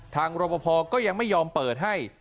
รบพอก็ยังไม่ยอมเปิดให้